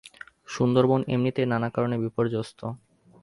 সুন্দরবন এমনিতেই নানা কারণে বিপর্যস্ত।